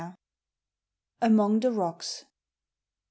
AMONG THE ROCKS.